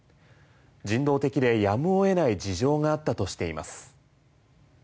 人道的で、やむを得ない事情があったとしています。